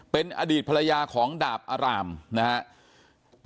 เป็นอดีตภรรยาของดาบอารามนะครับ